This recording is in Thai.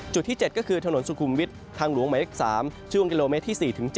จุดที่เจ็ดก็คือถนนสุกุมวิททางหลวงไหมเล็ก๓ช่วงกิโลเมตรที่๔๗